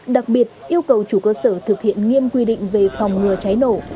đặc biệt yêu cầu chủ cơ sở thực hiện nghiêm quy định về phòng ngừa cháy nổ